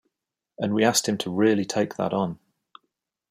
And we asked him to really take that on.